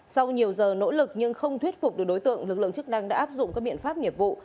sau nhiều giờ nỗ lực nhưng không thuyết phục được đối tượng lực lượng chức năng đã áp dụng các biện pháp nghiệp vụ